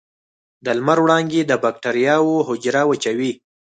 د لمر وړانګې د بکټریاوو حجره وچوي.